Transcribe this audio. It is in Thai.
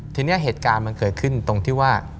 ทีนี้เหตุการณ์มันเกิดขึ้นตรงที่ว่า